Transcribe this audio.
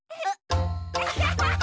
アハハハ！